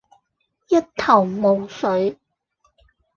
一頭霧水